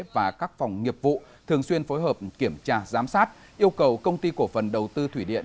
và các phòng nghiệp vụ thường xuyên phối hợp kiểm tra giám sát yêu cầu công ty cổ phần đầu tư thủy điện